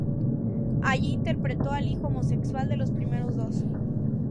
Allí interpretó al hijo homosexual de los primeros dos.